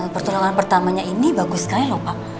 pertunangan pertamanya ini bagus sekali lho pak